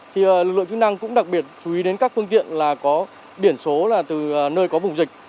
thì lực lượng chức năng cũng đặc biệt chú ý đến các phương tiện là có biển số là từ nơi có vùng dịch